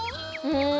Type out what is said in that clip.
うん。